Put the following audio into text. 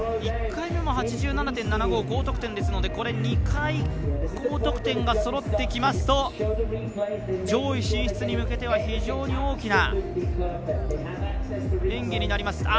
１回目も８７．７５と高得点ですので、２回高得点がそろってきますと上位進出に向けては非常に大きな演技になります。